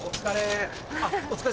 お疲れ。